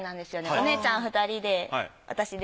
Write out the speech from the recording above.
お姉ちゃん２人で私で。